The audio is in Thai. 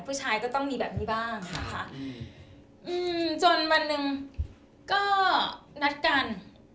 ผู้ชายก็ต้องมีแบบนี้บ้างนะคะอืมจนวันหนึ่งก็นัดกัน